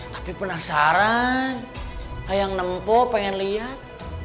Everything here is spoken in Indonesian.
tapi penasaran kayak nempo pengen lihat